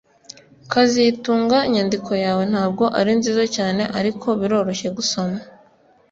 kazitunga inyandiko yawe ntabwo ari nziza cyane ariko biroroshye gusoma